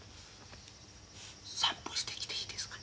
散歩してきていいですか？